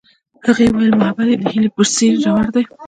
هغې وویل محبت یې د هیلې په څېر ژور دی.